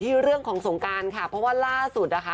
เรื่องของสงการค่ะเพราะว่าล่าสุดนะคะ